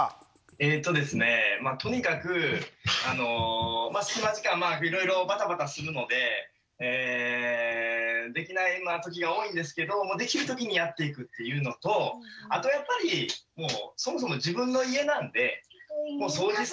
えっとですねとにかく隙間時間いろいろバタバタするのでできないときが多いんですけどできるときにやっていくっていうのとあとやっぱりへえ！